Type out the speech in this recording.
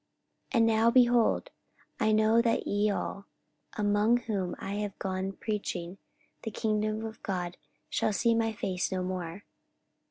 44:020:025 And now, behold, I know that ye all, among whom I have gone preaching the kingdom of God, shall see my face no more.